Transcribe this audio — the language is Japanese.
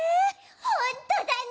ほんとだね！